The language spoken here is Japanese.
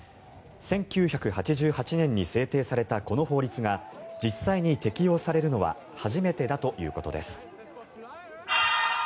１９８８年に制定されたこの法律が実際に適用されるのは初めてだということです。